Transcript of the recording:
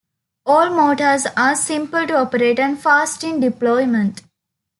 All mortars are simple to operate and fast in deployment.